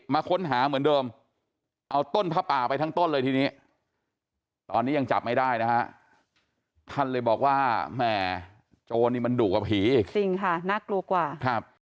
มาค้นหาเหมือนเดิมเอาต้นผ้าป่าไปทั้งต้นเลยทีนี้ตอนนี้ยังจับไม่ได้นะฮะท่านเลยบอกว่าแหม่โจรนี่มันดุกว่าผีอีกจริงค่ะน่ากลัวกว่าครับ